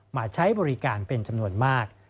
มาใช้บริการเป็นจำนวนมาก